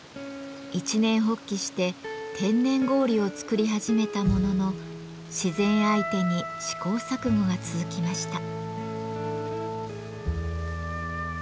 一念発起して天然氷を作り始めたものの自然相手に試行錯誤が続きました。